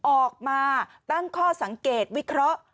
ออกมาตั้งข้อสังเกตวิเคราะห์